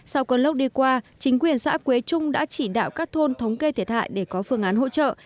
sau cơn lốc đi qua chính quyền xã quế trung đã chỉ đạo các thôn thống kê thiệt hại để có phương án hỗ trợ